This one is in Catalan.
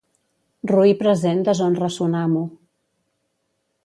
Roí present deshonra son amo.